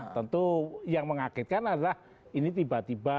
tentu yang mengagetkan adalah ini tiba tiba